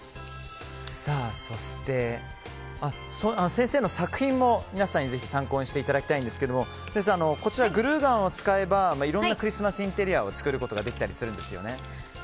そして先生の作品も皆さんにぜひ参考にしていただきたいんですけどグルーガンを使えばいろいろなクリスマスインテリア作ることができたりするんですよね。